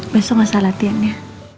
besok masa latihan ya